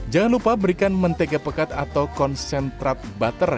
jangan lupa berikan mentega pekat atau konsentrat butter